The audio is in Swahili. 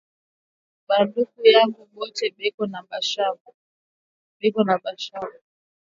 Ba nduku yangu bote beko na mashamba